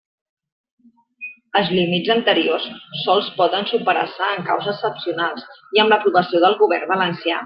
Els límits anteriors sols poden superar-se en caos excepcionals, i amb l'aprovació del Govern Valencià.